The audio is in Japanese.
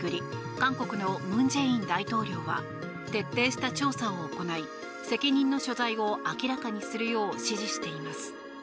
韓国の文在寅大統領は徹底した調査を行い責任の所在を明らかにするよう指示しています。